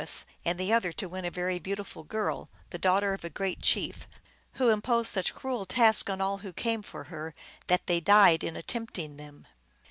83 wess, and the other to win a very beautiful girl, the daughter of a great chief, who imposed such cruel tasks on all who came for her, that they died in at tempting them.